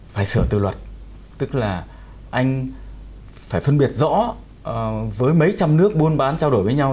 phải sửa từ luật tức là anh phải phân biệt rõ với mấy trăm nước buôn bán trao đổi với nhau